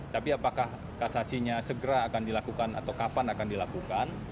tapi apakah kasasinya segera akan dilakukan atau kapan akan dilakukan